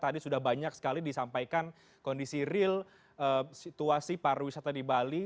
tadi sudah banyak sekali disampaikan kondisi real situasi pariwisata di bali